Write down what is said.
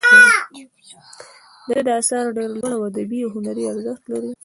د ده آثار ډیر لوړ ادبي او هنري ارزښت لري.